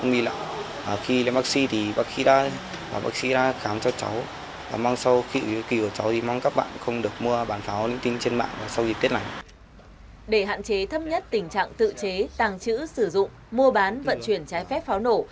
để hạn chế thấp nhất tình trạng tự chế tàng trữ sử dụng mua bán vận chuyển trái phép pháo nổ